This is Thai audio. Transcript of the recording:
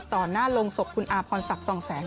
หน้าโรงศพคุณอาพรศักดิ์สองแสง